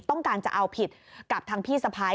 ต้องการจะเอาผิดกับทางพี่สะพ้าย